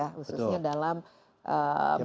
khususnya dalam melakukan